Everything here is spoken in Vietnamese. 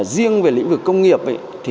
riêng về lĩnh vực công nghiệp